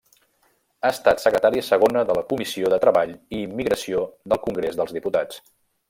Ha estat secretària segona de la Comissió de Treball i Immigració del Congrés dels Diputats.